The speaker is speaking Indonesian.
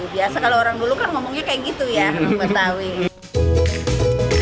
biasa kalau orang dulu kan ngomongnya kayak gitu ya betawi